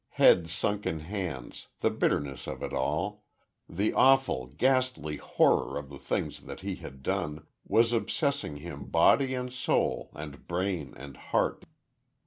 Head sunk in hands, the bitterness of it all the awful, ghastly, horror of the things that he had done was obsessing him body and soul and brain and heart.